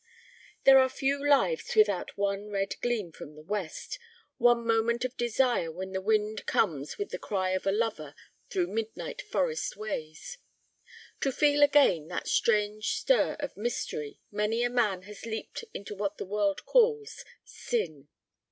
There are few lives without one red gleam from the west, one moment of desire when the wind comes with the cry of a lover through midnight forest ways. To feel again that strange stir of mystery many a man has leaped into what the world calls "sin."